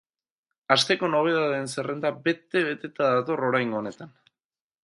Asteko nobedadeen zerrenda bete-beteta dator oraingo honetan.